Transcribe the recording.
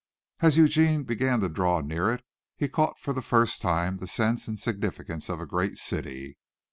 As Eugene began to draw near it he caught for the first time the sense and significance of a great city.